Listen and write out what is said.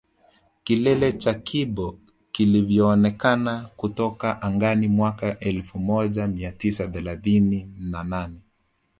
Kilele cha Kibo kilivyoonekana kutoka angani mwaka elfu moja mia tisa thelathini na nane